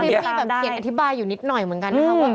เรื่องเดียวก่อนพี่นี่แบบเปลี่ยนอธิบายอยู่นิดหน่อยเหมือนกันนะครับ